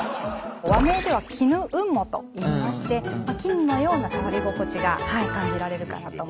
和名では「絹雲母」といいまして絹のような触り心地が感じられるかなと思います。